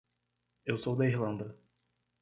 Eu sou da Irlanda.